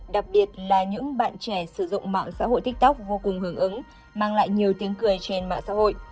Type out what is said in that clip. đặc biệt là những bạn trẻ sử dụng mạng xã hội tiktok vô cùng hưởng ứng mang lại nhiều tiếng cười trên mạng xã hội